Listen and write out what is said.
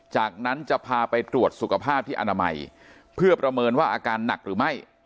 จากนั้นจะพาไปตรวจสุขภาพที่อนามัยเพื่อประเมินว่าอาการหนักหรือไม่